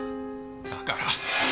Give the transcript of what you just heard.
だから。